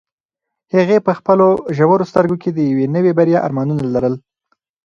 هغې په خپلو ژورو سترګو کې د یوې نوې بریا ارمانونه لرل.